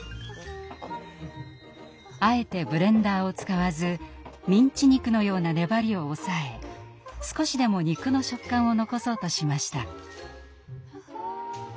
あえてブレンダーを使わずミンチ肉のような粘りを抑え少しでも肉の食感を残そうとしました。